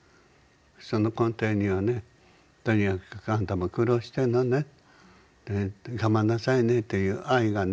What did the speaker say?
その根底にはねとにかくあんたも苦労してんのね頑張んなさいねという愛がね